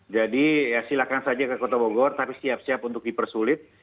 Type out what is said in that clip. jadi silakan saja ke kota bogor tapi siap siap untuk dipersulit